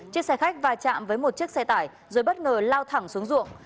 chiếc xe khách va chạm với một chiếc xe tải rồi bất ngờ lao thẳng xuống ruộng